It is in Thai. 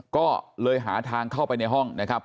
ก็เลยหาทางเข้าไปในห้องนะครับ